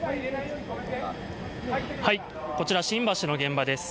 こちら、新橋の現場です。